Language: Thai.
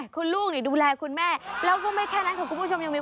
คุณลูกเลยเอาของตัวเองให้คุณแม่กินแบบนี้